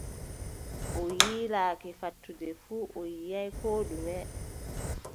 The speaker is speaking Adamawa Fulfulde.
O yiilake fattude fuu, o yiʼaay koo ɗume!